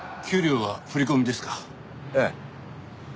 給料は振り込みですか？